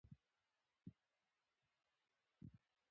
روغتیایي مرکزونه په هر کلي کې پکار دي.